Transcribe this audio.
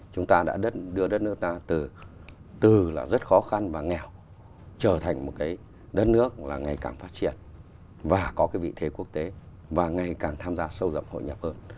chúng ta đã đưa đất nước ta từ là rất khó khăn và nghèo trở thành một cái đất nước là ngày càng phát triển và có cái vị thế quốc tế và ngày càng tham gia sâu rộng hội nhập hơn